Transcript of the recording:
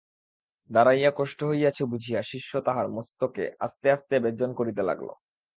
দাঁড়াইয়া কষ্ট হইয়াছে বুঝিয়া শিষ্য তাঁহার মস্তকে আস্তে আস্তে ব্যজন করিতে লাগিল।